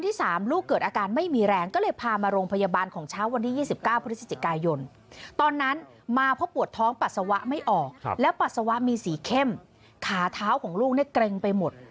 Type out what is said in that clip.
ท้องปัสสาวะไม่ออกแล้วปัสสาวะมีสีเข้มขาเท้าของลูกเนี่ยเกรงไปหมด